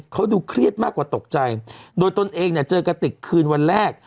เขาดูเครียดมากกว่าตกใจโดยตนเองเนี่ยเจอกระติกคืนวันแรก